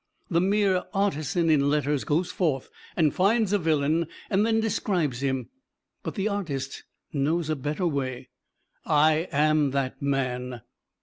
The mere artisan in letters goes forth and finds a villain and then describes him, but the artist knows a better way: "I am that man."